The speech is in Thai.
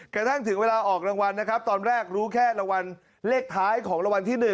กระทั่งถึงเวลาออกรางวัลนะครับตอนแรกรู้แค่รางวัลเลขท้ายของรางวัลที่๑